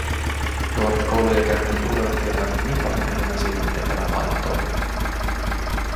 nuoret kouluja käyneet luulevat tietävänsä niin paljon enemmän siitä, miten tämä maailma toimii.